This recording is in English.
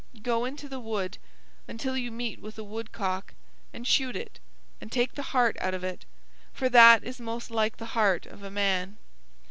Go into the wood until you meet with a woodcock, and shoot it, and take the heart out of it, for that is most like the heart of a man.